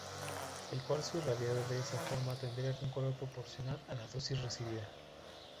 El cuarzo irradiado de esta forma tendrá un color proporcional a la dosis recibida.